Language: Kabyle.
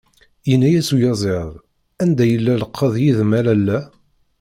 Yenna-as uyaziḍ. "Anda yella llqeḍ yid-m a lalla?"